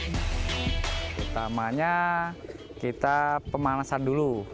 pertamanya kita pemanasan dulu